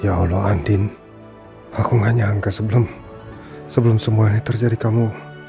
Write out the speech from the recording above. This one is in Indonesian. ya allah andin aku tidak menyangka sebelum sebelum semua ini terjadi kamu